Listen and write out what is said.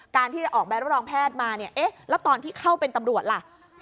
การที่จะออกใบรับรองแพทย์มาเนี่ยเอ๊ะแล้วตอนที่เข้าเป็นตำรวจล่ะ